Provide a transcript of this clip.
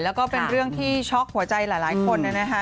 แล้วก็เป็นเรื่องที่ช็อกหัวใจหลายคนนะคะ